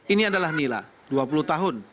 ini adalah nila dua puluh tahun